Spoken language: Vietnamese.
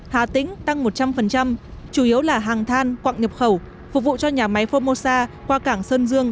hà tĩnh tăng một trăm linh chủ yếu là hàng than quặng nhập khẩu phục vụ cho nhà máy phomosa qua cảng sơn dương